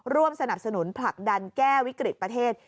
ร่วมสนับสนุนผลักดันแก้วิกฤติประเทศ